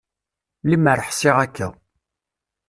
Lemmer ḥṣiɣ akka.